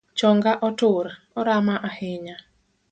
Chonga otur, orama ahinya